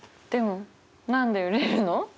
でもでも何で売れるの？